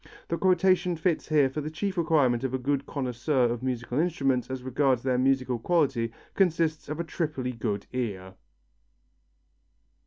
The quotation fits here for the chief requirement of a good connoisseur of musical instruments as regards their musical quality consists of a triply good ear.